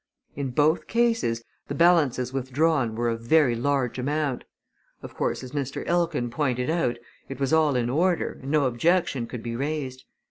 In both cases the balances withdrawn were of very large amount. Of course, as Mr. Elkin pointed out, it was all in order, and no objection could be raised.